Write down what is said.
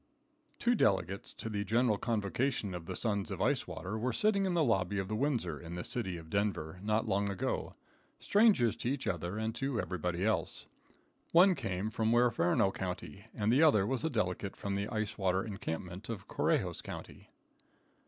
Two delegates to the General Convocation of the Sons of Ice Water were sitting in the lobby of the Windsor, in the city of Denver, not long ago, strangers to each other and to everybody else. One came from Huerferno county, and the other was a delegate from the Ice Water Encampment of Correjos county.